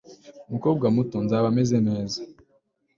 Mukobwa muto nzaba meze neza